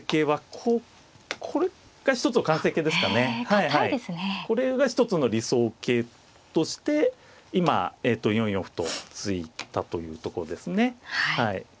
はいはいこれが一つの理想形として今４四歩と突いたというとこですね。